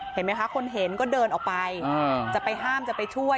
เห็นไหมคะคนเห็นก็เดินออกไปจะไปห้ามจะไปช่วย